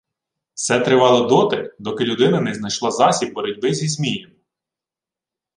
Все тривало доти, доки людина не знайшла засіб боротьби зі Змієм